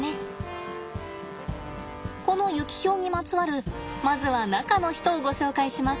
このユキヒョウにまつわるまずは中の人をご紹介します。